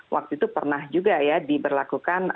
waktu itu pernah juga ya diberlakukan